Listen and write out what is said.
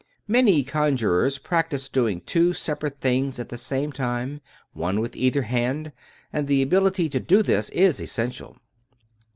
Many conjurers practice doing two sep arate things at the same time, one with either hand ; and the ability to do this is essential.